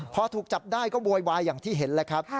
พอถูกจับได้ก็โวยวายอย่างที่เห็นแล้วครับ